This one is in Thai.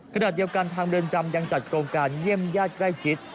ขณะเดียวกันทางเรือนจำยังจัดโครงการเยี่ยมญาติใกล้ชิด